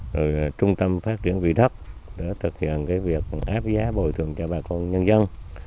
rồi trung tâm phát triển vị đất để thực hiện cái việc áp giá bồi thường cho bà con nhân dân